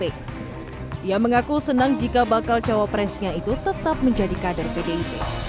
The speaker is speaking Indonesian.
dia mengaku senang jika bakal cawapresnya itu tetap menjadi kader pdip